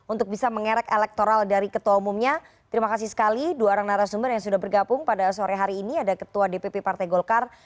untuk bisa mengerek elektoral dari ketua umumnya terima kasih sekali dua orang narasumber yang sudah bergabung pada sore hari ini ada ketua dpp partai golkar